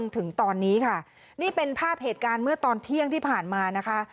ถึงตอนนี้ค่ะนี่เป็นภาพเหตุการณ์เมื่อตอนเที่ยงที่ผ่านมานะคะ